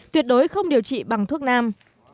tuyệt đối không điều trị bằng thuốc nam